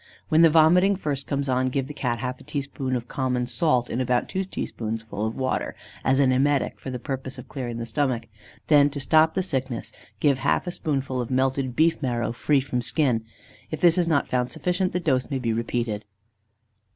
When the vomiting first comes on, give the Cat half a teaspoonful of common salt in about two teaspoonsful of water, as an emetic, for the purpose of clearing the stomach. Then to stop the sickness, give half a spoonful of melted beef marrow free from skin. If this is not found sufficient, the dose may be repeated.